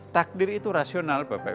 takdir itu rasional bapak ibu sekalian